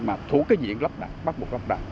mà thu cái diện lắp đặt bắt buộc lắp đặt